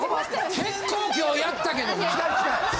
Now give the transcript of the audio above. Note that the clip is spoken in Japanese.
結構今日やったけどね。